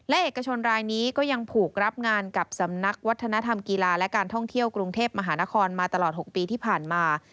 และเอกชนรายนี้ก็ยังผูกรับงานกับสำนักวัฒนธรรมกีฬาและการท่องเที่ยวกรุงเทพมหานครมาตลอด๖ปีที่ผ่านมา